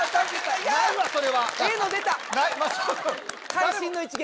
会心の一撃。